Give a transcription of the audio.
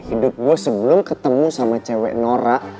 hidup gue sebelum ketemu sama cewek nora